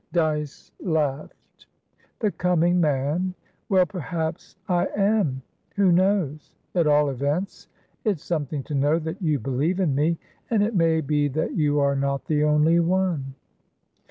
Dyce laughed. "The coming man! Well, perhaps, I am; who knows? At all events, it's something to know that you believe in me. And it may be that you are not the only one."